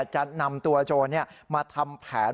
จะนำตัวโจรมาทำแผน